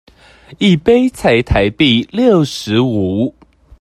一杯才台幣六十五